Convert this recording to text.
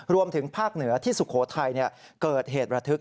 รวมถึงภาคเหนือที่สุโขทัยเกิดเหตุระทึก